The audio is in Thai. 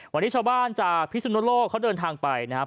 วันนี้ชาวบ้านจากพิสุนโลกเขาเดินทางไปนะครับ